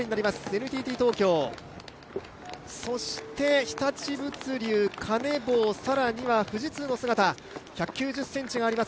ＮＴＴ東京、そして日立物流、カネボウ更には富士通の姿、１９０ｃｍあります